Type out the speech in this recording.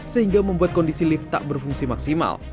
sehingga membuat kondisi lift tak berfungsi maksimal